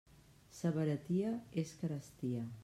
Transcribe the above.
Sa baratia és carestia.